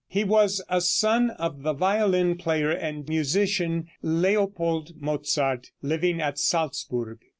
He was a son of the violin player and musician, Leopold Mozart, living at Salzburg.